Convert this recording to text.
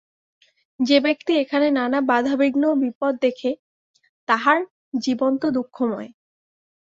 যে-ব্যক্তি এখানে নানা বাধা বিঘ্ন বিপদ দেখে, তাহার জীবন তো দুঃখময়।